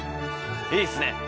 いいっすね。